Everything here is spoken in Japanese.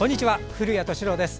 古谷敏郎です。